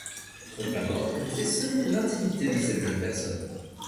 Trompe-la-Mort connaissait seul l’intimité de cette jeune personne